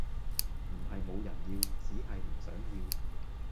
唔係無人要，只係唔想要